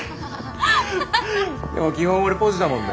でも基本俺ポジだもんね。